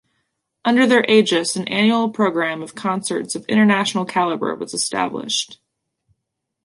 Under their aegis an annual programme of concerts of international calibre was established.